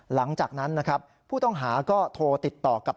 หลังจากนั้นนะครับผู้ต้องหาก็โทรติดต่อกับ